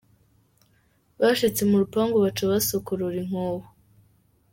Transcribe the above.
Bashitse mu rupangu, baca basokorora inkoho.